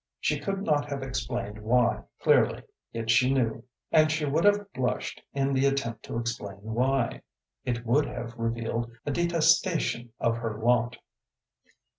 She could not have explained why clearly, yet she knew. And she would have blushed in the attempt to explain why; it would have revealed a detestation of her lot.